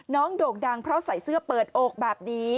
โด่งดังเพราะใส่เสื้อเปิดอกแบบนี้